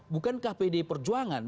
bukan kpd perjuangan